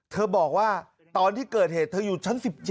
บอกว่าตอนที่เกิดเหตุเธออยู่ชั้น๑๗